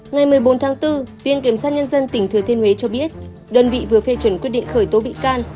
ngày một mươi bốn tháng bốn viện kiểm sát nhân dân tỉnh thừa thiên huế cho biết đơn vị vừa phê chuẩn quyết định khởi tố bị can